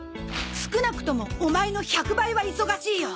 少なくともオマエの１００倍は忙しいよ。